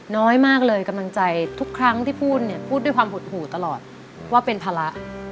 น้อยมากเลยกำลังใจทุกครั้งที่พูดเนี่ยพูดด้วยความหดหูตลอดว่าเป็นภาระ